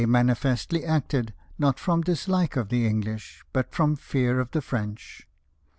101 manifestly acted, not from dislike of the English, but from fear of the French.